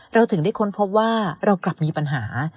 เราถึงได้ค้นพบว่าเรากลับมีปัญหา